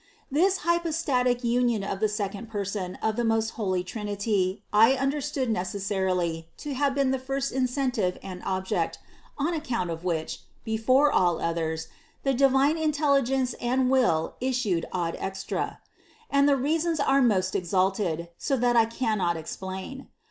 40. This hypostatic union of the second Person of the most holy Trinity I understood necessarily to have been the first incentive and object on account of which, before THE CONCEPTION 55 all others, the divine intelligence and will issued ad extra; and the reasons are most exalted, so that I cannot explain.